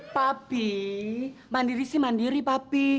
papi mandiri sih mandiri papi